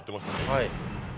はい。